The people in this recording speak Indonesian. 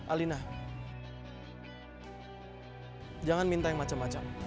alina jangan minta yang macam macam